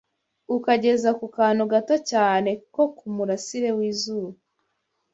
ukageza ku kantu gato cyane ko ku murasire w’izuba